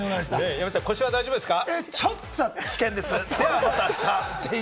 山ちゃん、腰は大丈夫ですか？